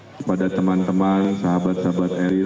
kepada teman teman sahabat sahabat eril